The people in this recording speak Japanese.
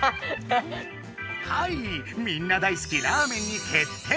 はいみんな大好きラーメンに決定！